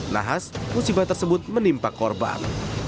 nahas musibah tersebut menimpa korban